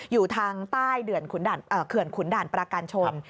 อยู่ทางใต้เขื่อนขุนด่านประการชน